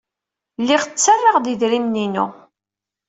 Lliɣ ttarraɣ-d idrimen-inu.